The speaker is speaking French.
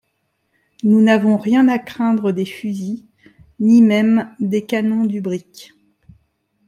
Nous n’avons rien à craindre des fusils, ni même des canons du brick.